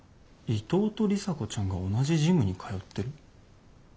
伊藤と里紗子ちゃんが同じジムに通ってる？